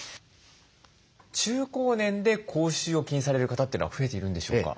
中高年で口臭を気にされる方というのは増えているんでしょうか？